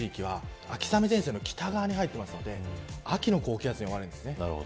つまり、日本列島の多くの地域は秋雨前線の北側に入っているので秋の高気圧に覆われるんですね。